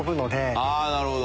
ああなるほど。